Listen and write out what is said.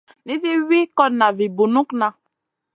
Nizi wi kotna vi bunukŋa.